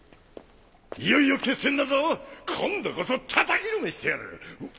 いよいよ決戦だぞ今度こそたたきのめしてやる！